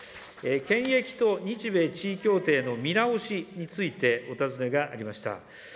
検疫と日米地位協定の見直しについてお尋ねがありました。